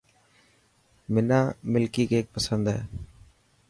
حنا ملڪي ڪيڪ پسند هي.